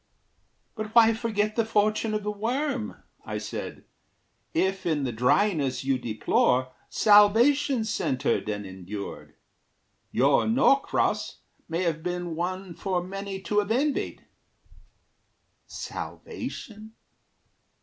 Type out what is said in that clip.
"But why forget the fortune of the worm," I said, "if in the dryness you deplore Salvation centred and endured? Your Norcross May have been one for many to have envied." "Salvation?